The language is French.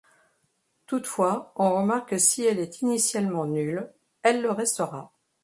Toutefois on remarque que si elle est initialement nulle, elle le restera.